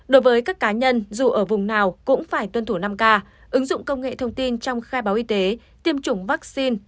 đối với các cá nhân dù ở vùng nào cũng phải tuân thủ năm k ứng dụng công nghệ thông tin trong khai báo y tế tiêm chủng vaccine